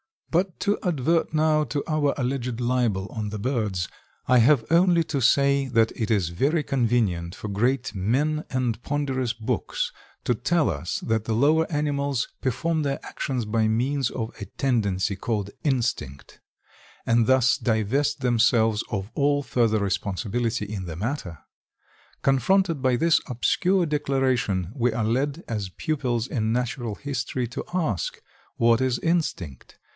But to advert now to our alleged "libel" on the birds, I have only to say that it is very convenient for great men and ponderous books to tell us that the lower animals perform their actions by means of a tendency called "instinct;" and thus divest themselves of all further responsibility in the matter. Confronted by this obscure declaration we are led as pupils in natural history to ask, "What is instinct?"